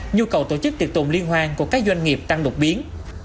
nhu cầu tổ chức tiệc tùng liên hoan của các doanh nghiệp tăng đột biến